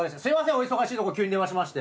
お忙しいところ急に電話しまして。